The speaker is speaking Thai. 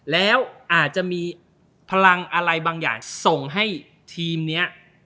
แล้วอาจจะมีพลังอะไรบางอย่างส่งให้ทีมนี้